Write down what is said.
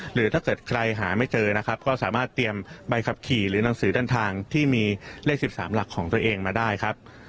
หรือถ้าเกิดใครหาไม่เจอนะครับก็สามารถเตรียมใบขับขี่หรือหนังสือด้านทางที่มีเลข๑๓หลักของตัวเองมาได้ครับ